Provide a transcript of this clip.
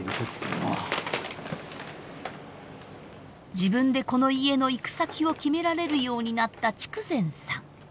自分でこの家の行く先を決められるようになった筑前さん。